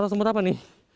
semut apa nih